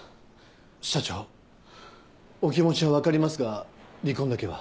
社長お気持ちはわかりますが離婚だけは。